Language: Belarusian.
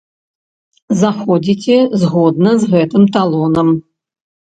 Заходзіце згодна з гэтым талонам.